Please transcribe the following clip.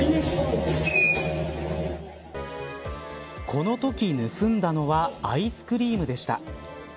このとき盗んだのはアイスクリームでした。